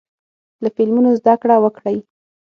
له فلمونو زده کړه وکړئ.